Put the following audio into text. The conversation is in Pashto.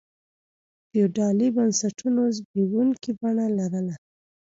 فیوډالي بنسټونو زبېښونکي بڼه لرله.